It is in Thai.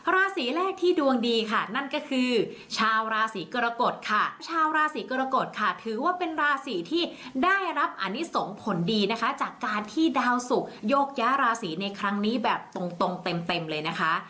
ราศีแรกที่ดวงดีค่ะนั่นก็คือชาวราศีกรกฎค่ะชาวราศีกรกฎค่ะถือว่าเป็นราศีที่ได้รับอันนี้ส่งผลดีนะคะจากการที่ดาวสุกโยกย้าราศีในครั้งนี้แบบตรงตรงเต็มเลยนะคะ